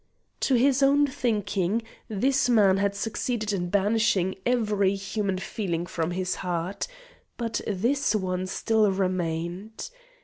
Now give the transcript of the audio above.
To his own thinking, this man had succeeded in banishing every human feeling from his heart but this one still remained.